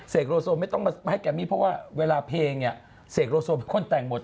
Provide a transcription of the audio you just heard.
เสกโรโซไม่ต้องมาให้แกมีเพราะว่าเวลาเพลงเสกโรโซเป็นคนแต่งหมด